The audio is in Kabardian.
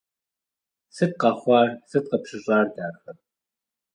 Сыт къэхъуар, сыт къыпщыщӏар, дахэ?